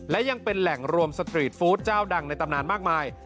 และยังเป็นแหล่งรวมสตรีทฟู้ดเจ้าดังในตำนานมากมาย